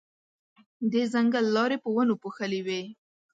د ځنګل لارې په ونو پوښلې وې.